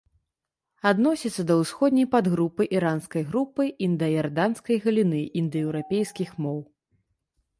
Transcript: Адносіцца да усходняй падгрупы іранскай групы індаіранскай галіны індаеўрапейскіх моў.